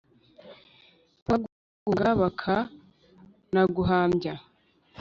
Baguhanga baka nahumbya